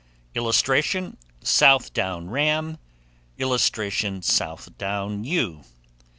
[Illustration: SOUTH DOWN RAM.] [Illustration: SOUTH DOWN EWE.